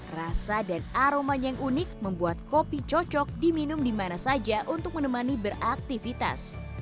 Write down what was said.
rasa dan aromanya yang unik membuat kopi cocok diminum di mana saja untuk menemani beraktivitas